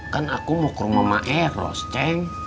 kan aku mau ke rumah maeros ceng